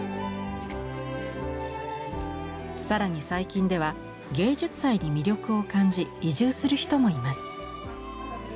更に最近では芸術祭に魅力を感じ移住する人もいます。